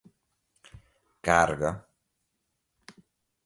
carga